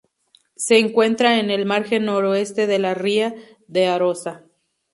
Se encuentra en el margen noroeste de la ría de Arosa.